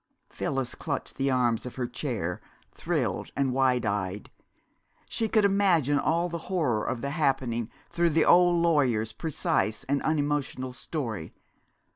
Phyllis clutched the arms of her chair, thrilled and wide eyed. She could imagine all the horror of the happening through the old lawyer's precise and unemotional story.